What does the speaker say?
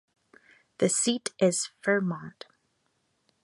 The seat is Fermont.